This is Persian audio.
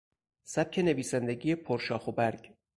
سبک نویسندگی پر شاخ و برگ